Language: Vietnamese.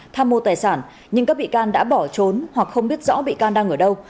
tham mô tài sản nhưng các bị can đã bỏ trốn hoặc không biết rõ bị can đang ở đâu